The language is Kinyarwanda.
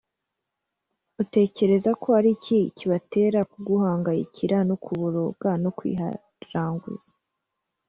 utekereza ko ari iki kibatera kuguhangayikira no kuboroga no kwiharanguza